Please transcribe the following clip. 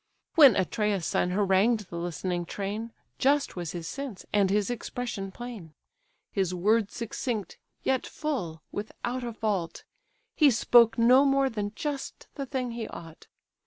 When Atreus' son harangued the listening train, Just was his sense, and his expression plain, His words succinct, yet full, without a fault; He spoke no more than just the thing he ought.